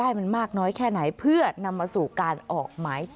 หน้าผู้ใหญ่ในจังหวัดคาดว่าไม่คนใดคนหนึ่งนี่แหละนะคะที่เป็นคู่อริเคยทำรักกายกันมาก่อน